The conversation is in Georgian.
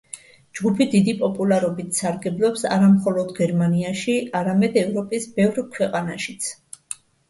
ჯგუფი დიდი პოპულარობით სარგებლობს არა მხოლოდ გერმანიაში, არამედ ევროპის ბევრ ქვეყანაშიც.